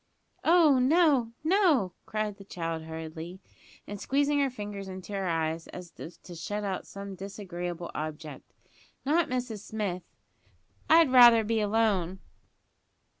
"Oh, no, no!" cried the child hurriedly, and squeezing her fingers into her eyes, as if to shut out some disagreeable object. "Not Mrs Smith. I'd rather be alone."